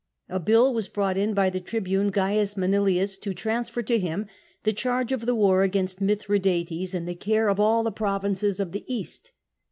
A bill was brought in by the tribune C, Manilius, to transfer to him the charge of the war against Mithradates and the care of all the provinces of the East.